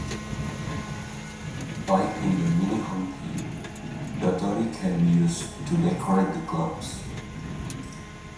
Like in the minihomepy, dotori can be used to decorate the clubs.